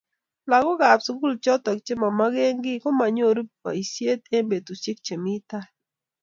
lagookab sugul choto chemamagengiy komanyoru boishet eng betushiek chemiten tai